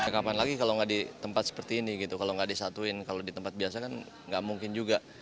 kapan lagi kalau tidak di tempat seperti ini kalau tidak disatuin kalau di tempat biasa kan tidak mungkin juga